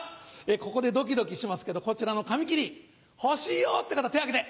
ここでドキドキしますけどこちらの紙切り「欲しいよ」って方手挙げて！